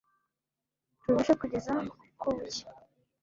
tubice kugeza ko bucya